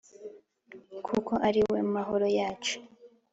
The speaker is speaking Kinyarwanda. Kuko ari we mahoro yacu